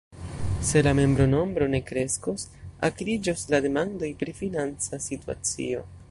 Se la membronombro ne kreskos, akriĝos la demandoj pri financa situacio.